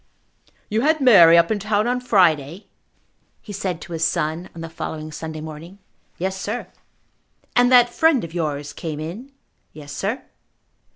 "You had Mary up in town on Friday," he said to his son on the following Sunday morning. "Yes, sir." "And that friend of yours came in?" "Yes, sir."